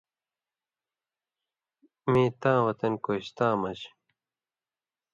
مِیں تاں وطن کوستاں مژ